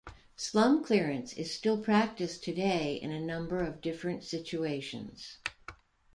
Slum clearance is still practiced today in a number of different situations.